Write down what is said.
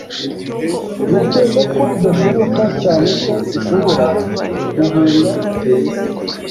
Ntekereza ko bidashoboka cyane ko dushobora guhunga iyi gereza